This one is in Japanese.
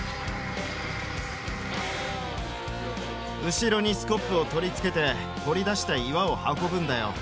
後ろにスコップを取り付けて掘り出した岩を運ぶんだよ。